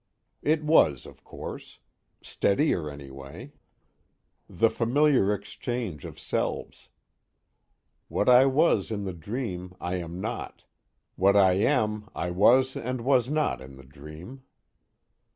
_ It was, of course. Steadier, anyway. The familiar exchange of selves: What I was in the dream, I am not; what I am, I was and was not in the dream.